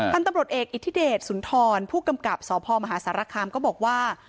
ตำรวจเอกอิทธิเดชสุนทรผู้กำกับสพมหาสารคามก็บอกว่า